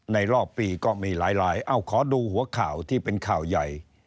รอบปีก็มีหลายเอ้าขอดูหัวข่าวที่เป็นข่าวใหญ่